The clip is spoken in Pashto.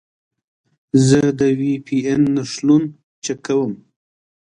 زه د وي پي این نښلون چک کوم.